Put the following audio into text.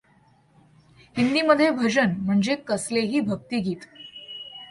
हिंदीमध्ये भजन म्हणजे कसलेही भक्तिगीत.